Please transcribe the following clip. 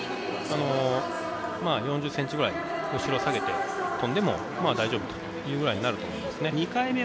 ４０ｃｍ、後ろ下げで跳んでも大丈夫というくらいになると思います。